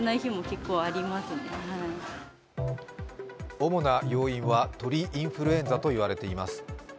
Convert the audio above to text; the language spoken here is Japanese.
主な要因は鳥インフルエンザと言われています。